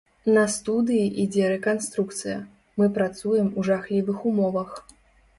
На студыі ідзе рэканструкцыя, мы працуем у жахлівых умовах.